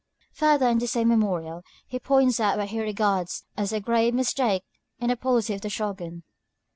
Further on in the same memorial, he points out what he regards as a grave mistake in the policy of the Shōgun.